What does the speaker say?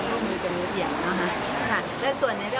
ลุงเอี่ยมปฏิเสธความช่วยเหลือหลายด้านเลยค่ะ